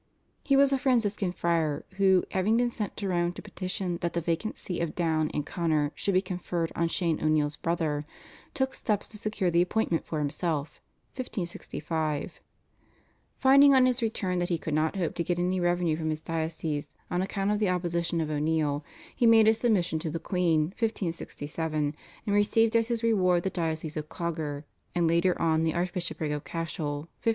He was a Franciscan friar, who, having been sent to Rome to petition that the vacant See of Down and Connor should be conferred on Shane O'Neill's brother, took steps to secure the appointment for himself (1565). Finding on his return that he could not hope to get any revenue from his diocese on account of the opposition of O'Neill, he made his submission to the queen (1567) and received as his reward the diocese of Clogher, and later on the Archbishopric of Cashel (1570).